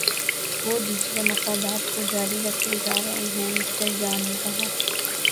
وہ دوسرے مفادات کو جاری رکھنے جا رہے ہیں مِسٹر جان نے کہا